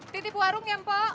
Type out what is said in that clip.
titip warung ya mpo